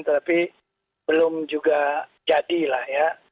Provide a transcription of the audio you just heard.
tapi belum juga jadilah ya